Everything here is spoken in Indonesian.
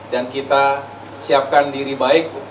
dan kita siapkan diri baik